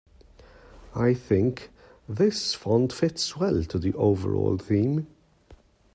I think this font fits well to the overall theme.